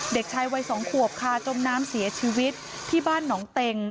เด็กชายวัยสองขวบค่ะจมน้ำเสียชีวิตที่บ้านหนองเต็ง